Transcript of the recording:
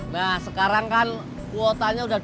nah sekarang kan kuotanya udah dua balet